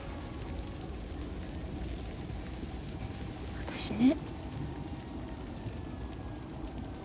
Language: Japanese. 私ね。